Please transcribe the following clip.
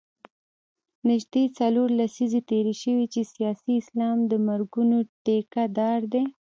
نژدې څلور لسیزې تېرې شوې چې سیاسي اسلام د مرګونو ټیکه دار دی.